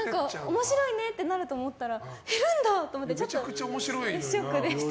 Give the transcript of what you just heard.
面白いねってなると思ったら減るんだ！と思ってショックでした。